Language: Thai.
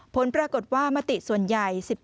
ผลปรากฏว่ามติส่วนใหญ่๑๘